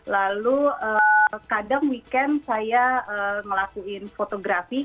lalu kadang weekend saya ngelakuin fotografi